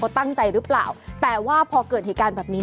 ตั้งใจหรือเปล่าแต่ว่าพอเกิดเหตุการณ์แบบนี้